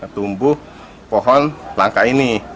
tumbuh pohon langka ini